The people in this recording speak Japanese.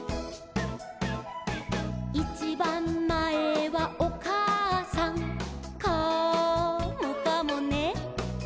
「いちばんまえはおかあさん」「カモかもね」